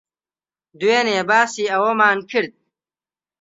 دوێنێ باسی ئەوەمان کرد.